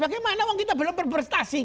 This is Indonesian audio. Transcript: bagaimana kita belum berprestasi